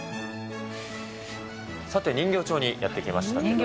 さて、人形町にやって来ました。